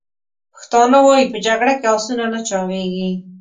پښتانه وایي: « په جګړه کې اسونه نه چاغیږي!»